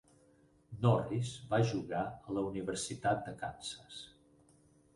Norris va jugar a la Universitat de Kansas.